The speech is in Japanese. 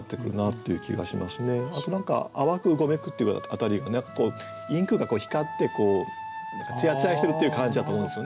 あと何か「淡くうごめく」っていう辺りが何かこうインクが光ってつやつやしてるっていう感じだと思うんですよね。